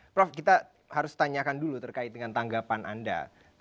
prof kita harus tanyakan dulu terkait dengan tanggapan anda